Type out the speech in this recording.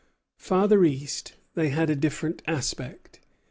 Farther east, they had a different aspect.